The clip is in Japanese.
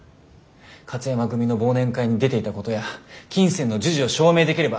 勝山組の忘年会に出ていたことや金銭の授受を証明できれば。